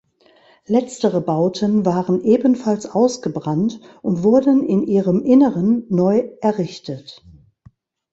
Letztere Bauten waren ebenfalls ausgebrannt und wurden in ihrem Inneren neu errichtet.